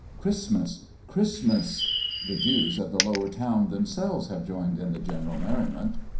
Christmas! Christmas! The Jews of the lower town themselves have joined in the general merriment.